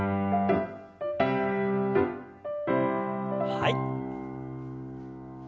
はい。